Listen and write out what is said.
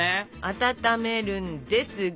温めるんですが。